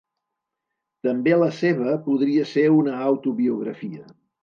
També la seva podria ser una autobiografia.